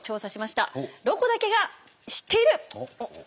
「ロコだけが知っている」。